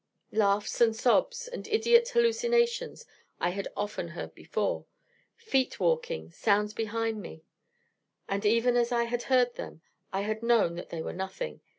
Laughs, and sobs, and idiot hallucinations, I had often heard before, feet walking, sounds behind me: and even as I had heard them, I had known that they were nothing.